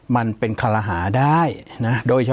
ปากกับภาคภูมิ